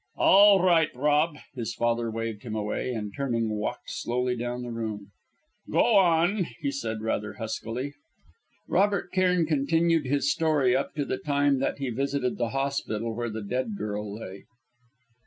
"All right, Rob," his father waved him away, and turning, walked slowly down the room. "Go on," he said, rather huskily. Robert Cairn continued his story up to the time that he visited the hospital where the dead girl lay.